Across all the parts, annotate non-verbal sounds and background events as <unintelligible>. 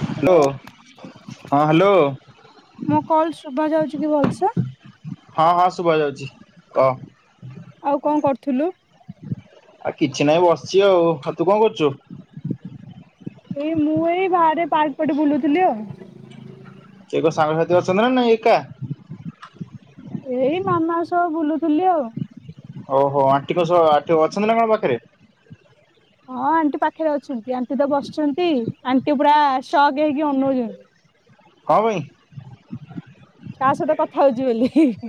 Hello ହଁ hello ମୋ call ଶୁଭାଯାଉଛି କି ଭଲସେ? ହଁ ହଁ ଶୁଭାଯାଉଚି କହ। ଆଉ କଣ କରୁଥୁଲୁ? ଆ କିଛି ନାହିଁ ବସିଛି ଆଉ। ତୁ କଣ କରୁଚୁ? ଏ ମୁଁ ଏ ବାହାରେ ପାର୍କ ପଟେ ବୁଲୁଥିଲି ଆଉ। କିଏ ତୋ ସାଙ୍ଗସାଥି ଅଛନ୍ତି ନା ନାଁଇ ଏକା। ଏଇ ମାମା ସହ ବୁଲୁଥିଲି ଆଉ। ଓହୋ ଆଣ୍ଟିଙ୍କ ସହ ଆଣ୍ଟି ଅଛନ୍ତି ନା କଣ ପାଖରେ? ହଁ ଆଣ୍ଟି ପାଖରେ ଅଛନ୍ତି। ଆଣ୍ଟି ତ ବସିଛନ୍ତି ଆଣ୍ଟି ପୁରା ସକ୍ ହେଇକି ଅନଉଛନ୍ତି। ହଁ ବେ। କାହା ସହିତ କଥା ହଉଚୁ ବୋଲି।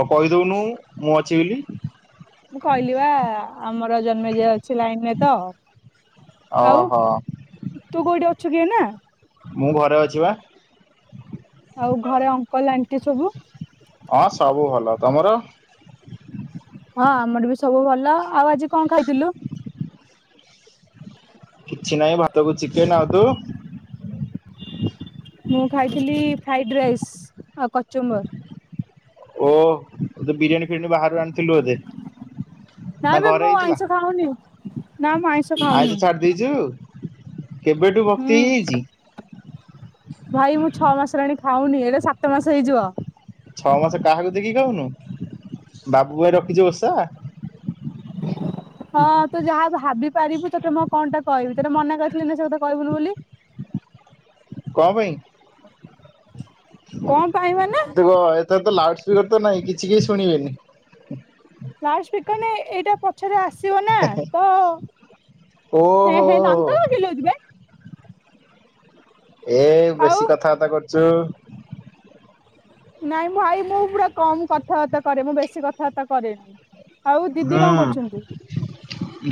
ଅ କହିଦଉନୁ। ମୁଁ ଅଛି ବୋଲି। ମୁଁ କହିଲି ବାଆ ଆମର ଜନ୍ମେଜଅ ଅଛି ଲାଇନ୍ ରେ ତ ଓହୋ। ଛୁ କି ଏଇନା। ମୁଁ ଘରେ ଅଛି ବା। ଆଉ ଘରେ ଅଙ୍କଲ ଆଣ୍ଟି ସବୁ ହଁ ସବୁ ଭଲ। ତମର ହଁ ଆମର ବି ସବୁ ଭଲ। ଆଉ ଆଜି କଣ ଖାଇଥିଲୁ? କିଛି ନାହିଁ ଭାତକୁ ଚିକେନ୍ ଆଉ ତୁ ମୁଁ ଖାଇଥିଲି ଫ୍ରାଇଡ ରାଇସ୍ ଆଉ କଚୁମ୍ବର। ଓଃ ତୁ ତ ବିରିୟାନି <unintelligible> ବାହାରୁ ଆଣିଥିଲୁ ବୋଧେ ନାଇଁ ନା ବେ ଘରେ ମୁଁ ହେଇଥିଲା? ଆଇଁଷ ଖାଉନି। ନା ମୁଁ ଖାଉନି। ଆଇଁଷ ଛାଡି ଦେଇଚୁ? କେବେଠୁ ହୁଁ ଭକ୍ତି ହେଇଯାଇଚି? ଭାଇ ମୁଁ ଛଅ ମାସ ହେଲାଣି ଖାଉନି। ଏଇଟା ସାତ ମାସ ହେଇଯିବ। ଛଅ ମାସ କାହାକୁ ଦେଖିକି ଖାଉନୁ? ବାବୁ ପାଇଁ ରଖିଚି ଓଷା। ହଁ ତୁ ଯାହା ଭାବି ପାରିବୁ ତତେ ମୁଁ କଣ ଟା କହିବି, ତତେ ମନା କରିଥିଲି ନା ସେ କଥା କହିବୁନି ବୋଲି। କଣ ପାଇଁ? କଣ ପାଇଁ ମାନେ ତୁ କଣ ଏଥର ତ ଲାଉଡ୍ସ ତୋର ତ ନାଇ କିଛି କେହି ଶୁଣିବେନି। ଲାଉଡ୍ସ ସ୍ପିକର୍ ନାହିଁ। ଏଇଟା ପଛରେ ଆସ ଆସିବ ନା ପଅ, ହେଁ ଓହୋ ହେଁ ଦାନ୍ତ କଣ କିଲଉଚୁ ବେ। ଏ ଆଉ ବେଶି କଥାବାର୍ତ୍ତା କର ଚୁ ନାଇଁ ଭାଇ ମୁଁ ପୁରା କମ୍ କଥାବାର୍ତ୍ତା କରେ। ମୁଁ ବେଶୀ କଥାବାର୍ତ୍ତା କରେନି। ଆଉ ଦିଦି ହୁଁ, କଣ କରୁଛନ୍ତି?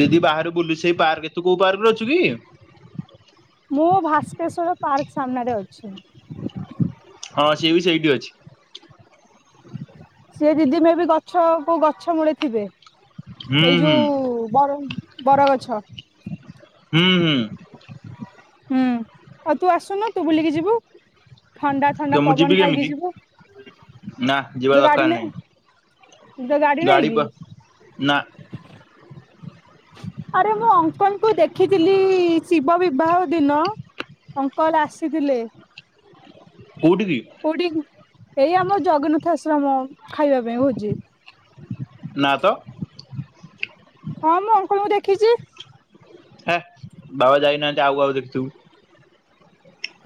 ଦିଦି ବାହାରେ ବୁଲୁଛି। ସେଇ ପାର୍କେ, ତୁ କୋଉ ପାର୍କରେ ଅଛୁ କି? ମୁଁ ଭାସ୍କେଶ୍ଵର ପାର୍କ ସାମ୍ନାରେ ଅଛି। ହଁ ସିଏ ବି ସେଇଟି ଅଛି। ସେ ଦିଦି ମେ ବି ଗଛ କୋଉ ଗଛ ମୂଳେ ଥିବେ। ହୁଁ ଏଇ ହୁଁ ଯୋଉ ବର ବରଗଛ। ହୁଁ, ହୁଁ, ହୁଁ, ଆଉ ତୁ ଆସୁନୁ, ତୁ ବୁଲିକି ଯିବୁ। ଥଣ୍ଡା ଥଣ୍ଡା ତ ମୁଁ ପବନ ଯିବି ଖାଇକି କେମିତି? ଯିବୁ ନା ଯିବା ତୋ ଗାଡି ଦରକାର ନେ ତୋ ଗାଡି ନାହିଁ। ଗାଡ଼ି ନେଇକି ପା- ନା ଆରେ ମୁଁ ଅଙ୍କଲ୍ ଙ୍କୁ ଦେଖିଥିଲି ଶିବ ବିବାହ ଦିନ। ଅଙ୍କଲ୍ ଆସିଥିଲେ। କୋଉଠିକି କୋଉଠି ଏଇ ଆମ ଜଗନ୍ନାଥ ଆସ ତ୍ରମମ୍ ଖାଇବା ପାଇଁ ଭୋଜି। ନା ତ। ହଁ ମୁଁ ଅଙ୍କଲ୍ ଙ୍କୁ ଦେଖିଚି। ହେ ବାବା ଯାଇନାହାନ୍ତି, ଆଉ କାହାକୁ ଦେଖିଥିବୁ।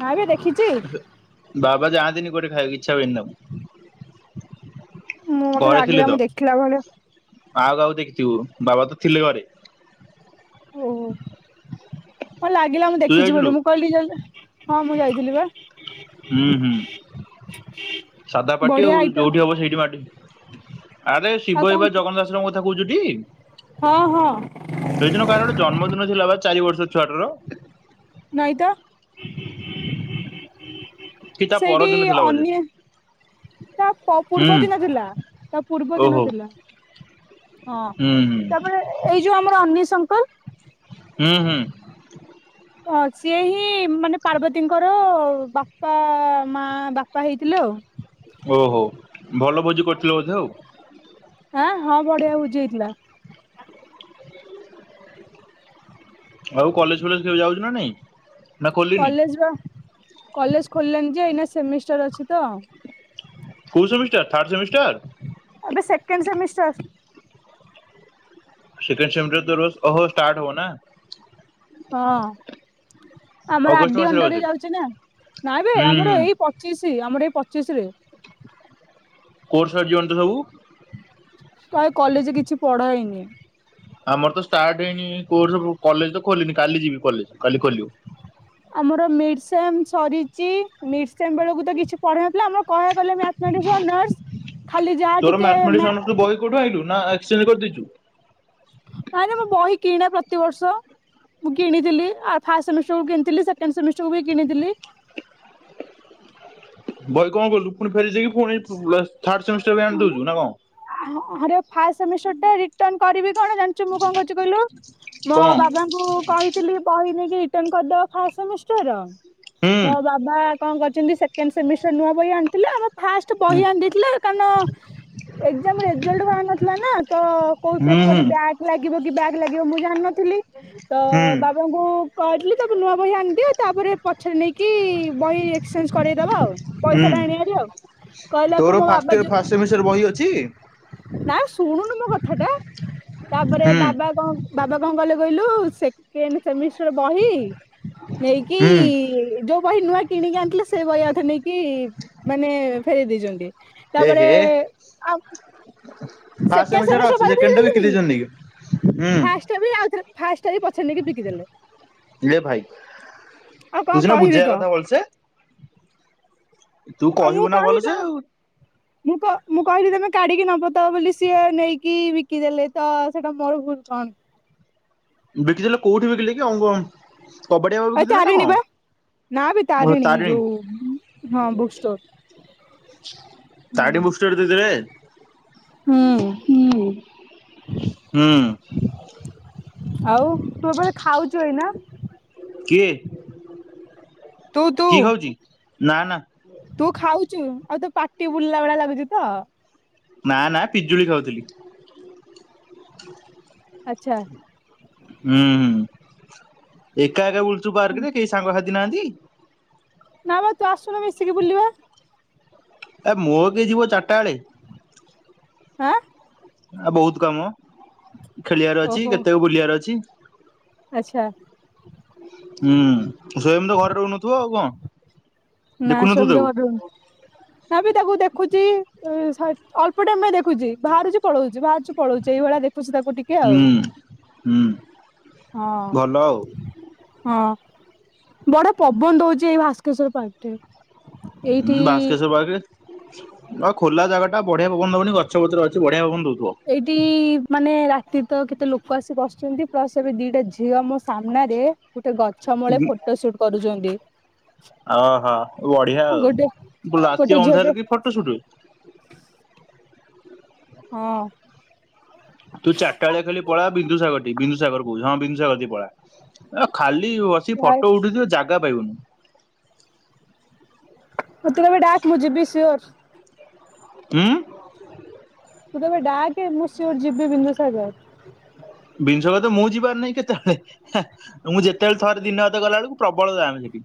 ନା ବେ ଦେଖିଚି। ବାବା ଯାଆନ୍ତିିନି କୁଆଡେ ଖାଇବାକୁ। ଇଚ୍ଛା ହୁଏନି ତାଙ୍କୁ। ମୁଁ ମୋତେ ଘରେ ଥିଲେ ଲାଗିଲା ତ। ମୁଁ ଦେଖିଲା ଭଳିଆ। ଆଉ କାହାକୁ ଦେଖିଥିବୁ। ବାବା ତ ଥିଲେ ଘରେ। ଓହୋ! ହଁ ଲାଗିଲା ମୁଁ ତୁ ଦେଖିଛି ଯାଇଥିଲୁ ବୋଲି। ମୁଁ କହିଲି ଜଲ ହଁ ମୁଁ ଯାଇଥିଲି ବା। ହୁଁ ହୁଁ ସାଧା ପାଟି ବଢିଆ ଆଉ ଆଇଟମ ଯୋଉଠି ହବ ସେଇଠି ମାଡି ଆରେ ଆଉ ଶିବ କଣ ଏବେ ଜଗନ୍ନାଥ ଦାସଙ୍କ କଥା କହୁଚ ଟି? ହଁ ହଁ। ସେଇଦିନ କାହାର ଗୋଟେ ଜନ୍ମଦିନ ଥିଲା ବା ଚାରି ବର୍ଷ ଛୁଆଟାର। ନାଇ ତ। କି ତା ସେଇଠି ପରଦିନ ଥିଲା ବୋଧେ। ଅନ୍ୟ ତା ପ ପୂର୍ବ ହୁଁ ଦିନ ଥିଲା। ତା ପୂର୍ବ ଦିନ ଓହୋ ଥିଲା। ହଁ ହୁଁ ହୁଁ ତାପରେ ଏଇ ଯୋଉ ଆମର ଅନିସମ୍ <unintelligible> ହୁଁ ହୁଁ। ହଁ ସିଏ ହିଁ ମାନେ ପାର୍ବତୀଙ୍କର ବାପା ମା ବାପା ହେଇଥିଲେ ଆଉ। ଓହୋ। ଭଲ ଭୋଜି କରିଥିଲ ବୋଧେ ଆଉ। ଆଁ ହଁ ବଢିଆ ଭୋଜି ହେଇଥିଲା। ଆଉ କଲେଜ ଫଲେଜ କେବେ ଯାଉଛୁ ନା ନାଇଁ? ନା ଖୋଲିନି କଲେଜ ବା କଲେଜ ଖୋଲିଲାଣି ଯେ ଏଇନା ସେମିଷ୍ଟାର ଅଛି। ତ କୋଉ ସେମିଷ୍ଟାର ଥାର୍ଡ ସେମିଷ୍ଟାର? ଆବେ ସେକେଣ୍ଡ ସେମିଷ୍ଟାର। ସେକେଣ୍ଡ ସେମିଷ୍ଟାର ତୋର ଅହୋ ଷ୍ଟାର୍ଟ ହବ ନା? ହଁ। ଆମର ଆର୍ ଅଗଷ୍ଟ ଡି ମାସରେ ଅଣ୍ଡର ରେ ବୋଧେ ଯାଉଛି ନା। ନାଇ ବେ ହୁଁ ଆମର ହୁଁ। ଏଇ ପଚିଶି ଆମର ଏଇ ପଚିଶରେ। କୋର୍ସ ସରିଯିବଣି ତ ସବୁ। କାଇ କଲେଜେ କିଛି ପଢାହେଇନି। ଆମର ତ ଷ୍ଟାର୍ଟ ହେଇନି କୋର୍ସ କଲେଜ ତ ଖୋଲିନି। କାଲି ଯିବି କଲେଜ। କାଲି ଖୋଲିବ। ଆମର ମିଡ୍ ସେମ୍ ସରିଚି। ମିଡ୍ ଏକଜାମ୍ ବେଳକୁ ତ କିଛି ପଢା ହେଇନଥିଲା ଆମର କଣ? କହିଲେ ମ୍ୟାଥ ମେଟିକ୍ସ ଅନର୍ସ ଖାଲି ଯାହା ତୋର ଟିକେ ମ୍ୟାଥମେଟିକ୍ସ ଅନର୍ସ ମ୍ୟା ବହି କୋଉଠୁ ଆଇଲୁ ନା ଏକ୍ସଚେଞ୍ଜ କରିଦେଇଚୁ। ନା ନା ମୁଁ ବହି କିଣେ ପ୍ରତିିବର୍ଷ। ମୁଁ କିଣିଥିଲି ଆ ଫାଷ୍ଟ ସେମିଷ୍ଟର କୁ କିଣିଥିଲି ସେକେଣ୍ଡ ସେମିଷ୍ଟର କୁ ବି କିଣିଥିଲି। ବହି କଣ କଲୁ ପୁଣି ଫେରେଇ ଦେଇକି ଫୁଣି ଥାର୍ଡ ସେମିଷ୍ଟର ବହି ଆଣି ଦଉଛୁ ନା କଣ? ଆରେ ଫାଷ୍ଟ ସେମିଷ୍ଟର ଟା ରିଟର୍ନ କରିବି ତୁ କଣ ଜାଣିଛୁ ମୁଁ କଣ କରୁଛି କହିଲୁ ମୋ କଣ ହୁଁ ବାବାଙ୍କୁ କହିଥିଲି ବହି ନେଇକି ରିଟର୍ନ କରିଦବା ଫାଷ୍ଟ ସେମିଷ୍ଟରର? ମୋ ହୁଁ ବାବା କଣ କରିଛନ୍ତି ସେକେଣ୍ଡ ସେମିଷ୍ଟର ନୂଆ ବହି ଆଣିଥିଲେ ଆମ ଫାଷ୍ଟ ବହି ଆଣି ଦେଇଥିଲେ କାରଣ ଏକ୍ଜାମ ରେଜଲ୍ଟ ବାହାର ନଥିଲା ନା ତ କୋଉ ହୁଁ। ପେପରରେ ବ୍ୟାକ୍ ଲାଗିବ କି କି ବ୍ୟାକ୍ ଲାଗିବ ମୁଁ ଜାଣିନଥିଲି ଥିଲି ତ ହୁଁ ବାବାଙ୍କୁ କହିଥିଲି ସବୁ ନୂଆ ବହି ଆଣି ଦିଅ ତାପରେ ପଛରେ ନେଇକି ବହି ଏକ୍ସଚେଞ୍ଜ କରେଇଦବା ଆଉ ହୁଁ ପଇସା ଟା ଆଣିବାର ଆଉ ତୋର କହିଲାକୁ ମୋ ଫାଷ୍ଟ ବାବା ଇୟର ଯଉ ଫାଷ୍ଟ ସେମିଷ୍ଟର ବହି ଅଛି? ନା ଶୁଣୁନୁ ମୋ କଥା ଟା, ତାପରେ ହୁଁ ବାବା କଣ ବାବା କଣ କହିଲେ କହିଲୁ ସେକେଣ୍ଡ ସେମିଷ୍ଟ ବହି ନେଇକି ହୁଁ ଯୋଉ ବହି ନୂଆ କିଣିକି ଆଣିଥିଲେ ସେ ବହି ଅଧେ ନେଇକି ମାନେ ଫେରେଇ ଦେଇଛନ୍ତି। ଏ ତାପରେ ହେ ଆ ଫାଷ୍ଟ ସେମିଷ୍ଟର ଅଛି, ସେକେଣ୍ଡ ଟା ବିକି ଦେଇଛନ୍ତି ନେଇକି। ଫାଷ୍ଟ ବି ଆଉ ଫାଷ୍ଟ ଟା ବି ପଛରେ ନେଇକି ବିକିଦେଲେ। ଲେ ଭାଇ ଆଉ କଣ ତୁ ସିନା କହିବି ବୁଝିବା କହ କଥା ଭଲସେ। ତୁ ଆଉ ମୁଁ କହିବୁ ନା କହି ଭଲସେ ଆଉ। ମୁଁ କହିଲି ତମେ କାଢିକି ନ ତ ବୋଲି ସିଏ ନେଇକି ବିକିଦେଲେ, ତ ସେଇଟା ମୋର ଭୁଲ କଣ? ବିକିଥିଲେ କୋଉଠି ବିକିଲେ କି <unintelligible> କବାଡ଼ିବା ବାଲାକୁ ଏ ବିକି ଦେଲେ ନା ତାରିଣୀ କଣ, ବା ନା ବେ ଓହ ତାରିଣୀ ଯୋଉ ହଁ ବୁକ୍ ତାରିଣୀ ଷ୍ଟୋର ହୁଁ ତାରିଣୀ ବୁକ୍ ଷ୍ଟୋରରେ ଦେଇଦେଲେ। ହୁଁ ହୁଁ ହୁଁ। ଆଉ ତୁ ଏବେ ଖାଉଛୁ ଏଇନା? କିଏ? ତୁ ତୁ। କି ଖାଉଛି ନା ନା। ତୁ ଖାଉଛୁ ଆଉ ତୁ ପାଟି ବୁଲିଲା ଭଳିଆ ଲାଗୁଚ ତ। ନା ନା ପିଜୁଳି ଖାଉଥିଲି। ଆଚ୍ଛା। ହୁଁ ଏକା ଏକ ଉଲ <unintelligible> ସାଙ୍ଗ ନାହାନ୍ତି। ନା ମ ତୁ ଆସୁନ ମିଶିକି ବୁଲିବା। ଏ ମୋର କିଏ ଯିବ ଚାରିଟା ବେଳେ। ହାଁ। ଆ ବହୁତ କାମ। ଖେଳିବାର ଅଛି ଓହୋ କେତେକୁ ବୁଲିବାର ଅଛି <inaudible> ଆଚ୍ଛା, ହୁଁ, ସ୍ୱୟମ ତ ଘରେ ରହୁନଥିବ ଆଉ କଣ? ନା ଦେଖୁନଥିବୁ <unintelligible> ତାକୁ ତ ହୁଁ <unintelligible> ନା ବି ତାକୁ ଦେଖୁଛି ଅଳ୍ପ ଟାଇମ ଦେଖୁଛି ବାହାରୁଛି ପଳଉଛି ବାହାରୁଚୁ ପଳଉଛି ଏଇଭଳିଆ ଦେଖୁ ହୁଁ ହଁ ହଁ ଭଲ ଆଉ, ହଁ ବଡ ପବନ ଦଉଛି ଏଇ ଭାସ୍କେଶ୍ଵର ପାଖ, ଠେ ହଁ ଭାସ୍କେଶର ବାଗ ହଁ ଖୋଲା ଜାଗା ଟା ବଢିଆ ପ ବବନ ହବନି ଗଛ ବତର ଅଛି ବଢିଆ ପବନ ଦଉଚି। ଏଇଠି ମାନେ ରାତି ତ କେତେ ଲୋକ ଆସିି ବସିଛନ୍ତି। ପ୍ଲସ ଏବେ ଦିଟା ଝିଅ ମୋ ସାମ୍ନାରେ ଗୋଟେ ଗଛ ମୂଳେ ଫଟୋ ସୁଟ କରୁଛନ୍ତି ଓହୋ ବଢିଆ ଆଉ ଗୋଟେ ଗୋଟେ ରାତି ଝିଅଟେ ଅନ୍ଧାରରେ କି ଫଟୋ ସୁଟ। ହଁ, ତୁ ଚାରିଟାବେଳିଆ ଖାଲି ପଳା ବିନ୍ଦୁସାଗର ଟି ବିନ୍ଦୁସାଗରକୁ। ହଁ ବିନ୍ଦୁ ସାଗର ଠିକି ପଳା ଏରା ଖାଲି ବସି ଫଟୋ ଉଠଉଥିବ ଜାଗ ଯାଗା ପାଇବୁନି। ମତେ କେବେ ଡାକ ଡାକ ମୁଁ ଜିବି ସିଓର୍। ହୁ ମୁ କେବେ ଡାକେ ମୁଁ ସିଓର ଜିବି ବିନ୍ଦୁ ସାଗର, ବିନ୍ଦୁସାଗର ଯେ ମୁଁ ଯିବାର ନାହିଁ କେତେବେଳେ ମୁଁ ଯେତେବେଳେ ଥରେ ଦିନ ହାତ ଗଲା ବେଳକୁ ପ୍ରବଳ ଜାମ ସେଠି।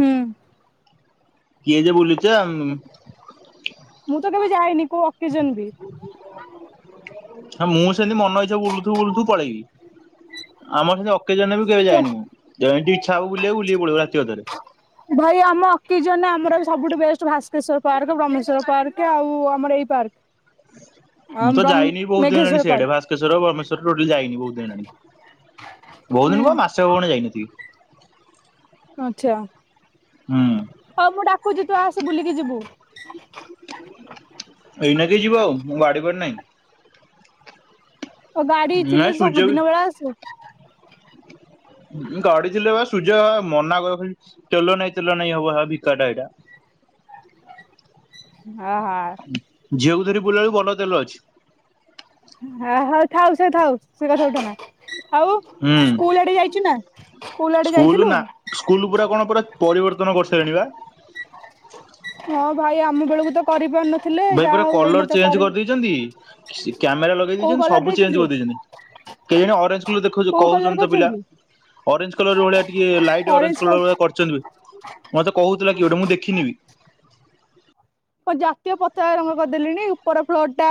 ହୁଁ, କିଏ ଯେ ବୁଲି? ଯେ ଆମ, ମୁଁ ବି ଯାଇନି, ମୁଁ ତ <inaudible> ହ ମୁଁ ସେମିତି ମନ ଇଛାୁ ବଲୁଥୁବୁ ବଲୁଥୁବୁ ପଳେଇବି ଆମର ସେମିତି କେଜାଣି କେବେ ଯାଇନିମୁଁ ଯେନ୍ତି ଇଛା ହବ ବୁଲିବାକୁ ବୁଲିକି ପଳେଇବୁ ରାତି ଅଧରେ ଭାଇ ଆମ ଅକକେଜନରେ ଆମର ସବୁଠୁ best Bhaskeswar park, Brahmeswar park ଆଉ ଆମର ଏଇ ପାର୍କ। ଆଉ ମୁଁ ତ ବ୍ରହ୍ମ ଯାଇନି ବହୁତ ହେଲାଣି ମେଘେଶ୍ଵର ସିଆଡେ ପାର୍କ ଭାସ୍କେଶ୍ୱର, ବ୍ରହ୍ମେଶ୍ୱର ଟୋଟଲ ଯାଇନି ବହୁତ ଦିନ ହେଲାଣି ହୁଁ ବହୁଦିନ କଣ ମାସେ ହବଣି ଯାଇନଥିବି। ହଁ ଆଛା। ହୁଁ ଉମ। ହଉ ମୁଁ ଡାକୁଚି ତୁ ଆସେ ବୁଲିକି ଯିବୁ। ଏଇନା କିଏ ଯିବ ମୋର ଗାଡି ଫାଡି ନାହିଁ। ଓ ଗାଡି ଥିଲେ ନାଇଁ ସବୁ ସୂର୍ଯ୍ୟ ବି ଦିନବେଳା ଆସୁ। ଗାଡି ଥିଲେ ପା ସୂର୍ଯ୍ୟ ମନା କର ଖାଲି ତେଲ ନାଇଁ ତେଲ ନାଇଁ ହବ ହା ଭିକାରୀଟା ଏଇଟା। ହଁ ହଁ। ଧରିକି ବୁଲେଇବାକୁ ବଡ ତେଲ ଅଛି। ହ ହଉ ଥାଉ ସେ ଥାଉ ସେଗୁଡା ସବୁ ଉଠାନା। ଆଉ ହୁଁ ସ୍କୁଲ ଆଡେ ଯାଇଛୁ ନା ଆଡେ ସ୍କୁଲ ଯାଇଥିଲୁ ନା ସ୍କୁଲ ପୁରା କଣ ପୁରା ପରିବର୍ତ୍ତନ କରିସା <unintelligible> ହଁ ଭାଇ ଆମ ବେଳକୁତ କରିପାରୁନ ବାଇ ପୁରା କଲର ଚେଞ୍ଚ କରିଦେଇଚନ୍ତି। <unintelligible> କ୍ୟାମେରା କୋଉ ଲଗେଇଦେଇଚନ୍ତି କଲର ସବୁ ଚେଞ୍ଜ ଦେଇଛନ୍ତି କରିଦେଇଚନ୍ତି। କେଇଆଣି ଅରେଞ୍ଜ କଲର ଦେଖଉଚି କୋଉ କଲର କହୁଚନ୍ତି ତ ପିଲା। କରିଛନ୍ତି ଅରେଞ୍ଜ କଲର ଭାଲିଆ ଟିକେ ଲାଇଟ୍ ଅରେଞ୍ଜ କଲର ଭଳିଆ କରଚନ୍ତି ବେ ମତେ କହୁଥିଲା କିଏ ଗୋଟେ ମୁଁ ଦେଖିନି ବି। କଣ ଜାତୀୟ ପତାକା ରଙ୍ଗ କରିଦେଲେଣି ଉପର ଫ୍ଲୋର୍ ଟା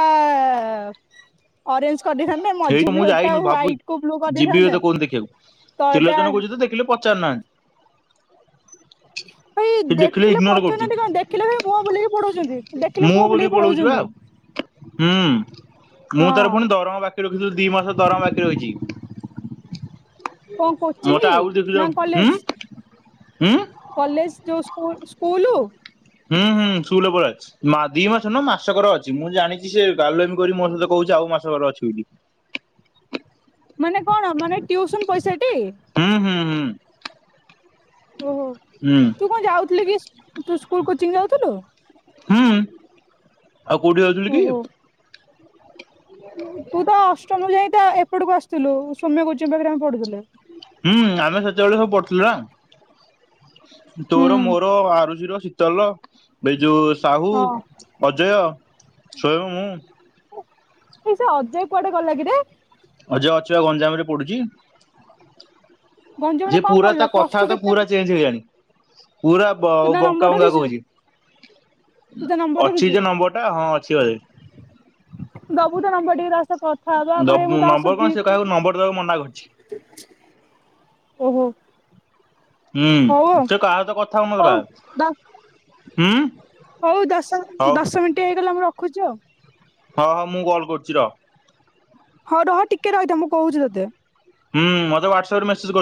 ଆ ଅରେଞ୍ଜ କରିଦେଇଥାନ୍ତେ ମଝି ସେଇଠୁ ମୁଁ ଫ୍ଲୋର ଟା ଯାଇନି ଭାବୁ ହ୍ୱାଇଟ କୁ ବ୍ଲୁ ଯିବି କରିଦେଇଥାନ୍ତେ ତତେ କୋଉ ଦିନ ଦେଖିବାକୁ ତଳଟା ତ୍ରିଲୋଚନ କହୁଚି ଯେ ଦେଖିଲେ ପ ଚାରୁ ନାହାଁନ୍ତି। ଭାଇ ଦେଖିଲେ କରୁଛି। ପଚାରୁନାହାନ୍ତି କଣ ଦେଖିଲେ ବି ମୁହଁ ବୁଲେଇିକି ପଳଉଚନ୍ତି ଦେଖିଲେ ମୁଁ ମୁହଁ ବୋଲି ବୁଲେଇକି ପଳଉଛି ବା ପଳଉଚନ୍ତି। ଆଉ। ହଁ। ବୁଝିଲୁ ଦିମାସର ଦରମା ବାକି ରହିଚି। କଅଁ କୋଚିଙ୍ଗ ନା ହୁଁ କଲେଜ ହୁଁ କଲେଜ ଯୋଉ ସ୍କୁ ସ୍କୁଲୁ? ହୁଁ ହୁଁ <unintelligible> ମା ଦିମାସର ନୁହଁ ମାସକର ଅଛି। ମୁଁ ଜାଣିଛି ସେ ଗାଲୁଆମି କରି ମୋ ସହିତ କହୁଛି ଆଉ ମାସକର ଅଛି ବୋଲି। ମାନେ କଣ? ମାନେ ଟିୟୁସନ ପଇସା ଟି ହୁଁ ହୁଁ ହୁଁ। ଓହୋ ହୁଁ ତୁ କଣ ଯାଉଥୁଲୁ କି ତୁସ୍ ସ୍କୁଲ କୋଚିଙ୍ଗ ଯାଉଥୁଲୁ? ହୁଁ। ଆଉ କୋଉଠି ଯାଉଥିଲି କି? ଓହୋ ତୁ ତ ଅଷ୍ଟମ ରୁ ଜା ଏପଟକୁ ଆସିଥିଲୁ ସୌମ୍ୟ କୋଚିଙ୍ଗ ପାଖରେ ଆମେ ପଢୁଥିଲେ। ହୁଁ ଆମେ ସେତେବେଳେ ସବୁ ପଢ଼ୁଥିଲୁ ନା। ତୋର ହୁଁ ମୋର ଆରୁଜିର। ଚିତଲ, ବିଜୁ ସାହୁ, ହଁ ଅଜୟ। ସ୍ଵୟବ ମୁଁ। ଏଇ ସେ ଅଜୟ କୁଆଡେ ଗଲା କିରେ? ଅଜୟ ଅଛି ବା ଗଞ୍ଜାମରେ ପଡ଼ୁଛି। ଗଞ୍ଜାମରେ ଯେ କଣ ପୁରା ପଢିଲା ତା ପ୍ଲସ ଟୁ କଥାବାତା କେତେ ପୁରା ଚେଞ୍ଜ ହେଇଗଲାନି। <inaudible> ପୁରା ବ ତୁ ତା ନମ୍ବର ବଙ୍କା ବଙ୍କା ରଖିଛୁ କହୁଛି। ତୁ ତା ନମ୍ବର ଅଛି ରଖିଛୁ ଯେ ନମ୍ବର ଟା ହଁ ଅଛି ହେଇ ଦବୁ ତା ନମ୍ବର <unintelligible> ଭାଇ ମୁଁ ନମ୍ୱ ତା ସହ ନମ୍ବର ଦି କଣ ସେ କାହାକୁ ନମ୍ବର ଦେବାକୁ ମନା କରଛି। ଓହୋ ହଉ ହୁଁ ଆଉ ତ କାହା ସହିତ କଥା ହଉ ଦ ହଉନଥିଲା। ହୁଁ। ହଉ ଦଶ ହଉ ଦଶ ମିନିଟ ହେଇଗଲା ମୁଁ ରଖୁ ରଖୁଛି ଆଉ। ହଁ ହଁ ମୁଁ କଲ୍ କରୁଛି ରହ। ହଁ ରହ ଟିକେ ରହିଥା ମୁଁ କହୁଛି ତତେ। ହୁଁ ମୋତେ ହ୍ୱାଟ୍ସପ୍ ରେ ମେସେଜ କର୍